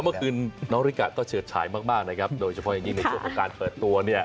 เมื่อคืนน้องริกะก็เฉิดฉายมากมากนะครับโดยเฉพาะอย่างยิ่งในช่วงของการเปิดตัวเนี่ย